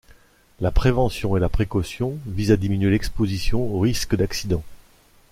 La prévention et la précaution visent à diminuer l'exposition au risque d'accident.